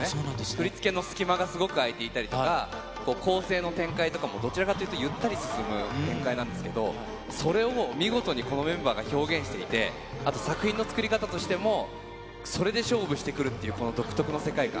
振り付けの隙間がすごくあいていたりとか、構成の展開とかも、どちらかというとゆったり進む展開なんですけど、それを見事にこのメンバーが表現していて、あと作品の作り方としても、それで勝負してくるっていう、この独特の世界観。